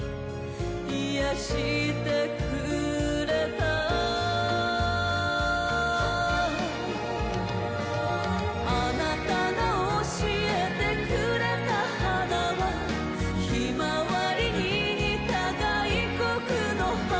癒してくれたあなたが教えてくれた花はひまわりに似た外国の花